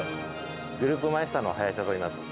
グループマイスターの林だといいます。